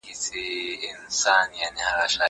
زه له پرون راهيسې کار کوم؟